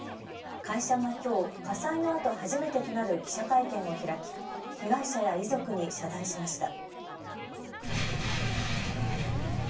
会社がきょう、火災のあと初めてとなる記者会見を開き被害者や遺族に謝罪しました。